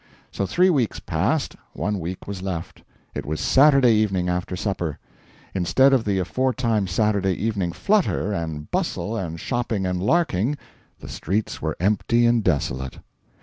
So three weeks passed one week was left. It was Saturday evening after supper. Instead of the aforetime Saturday evening flutter and bustle and shopping and larking, the streets were empty and desolate.